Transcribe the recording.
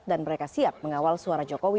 dan mereka siap mengawal suara jokowi